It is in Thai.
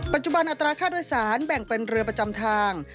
ปัจจุบันอัตราค่าโดยสารแบ่งเป็นเรือประจำทาง